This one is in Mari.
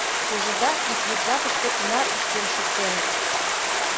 Ужыда, ик йӱд жапыште кунар ыштен шуктеныт!